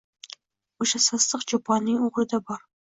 O‘sha sassiq cho‘ponning o‘g‘lida bor.